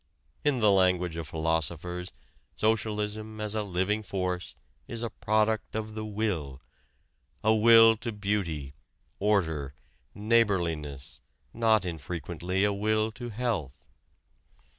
In the language of philosophers, socialism as a living force is a product of the will a will to beauty, order, neighborliness, not infrequently a will to health.